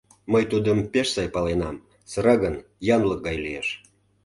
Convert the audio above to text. Мый тудым пеш сай паленам: сыра гын, янлык гай лиеш.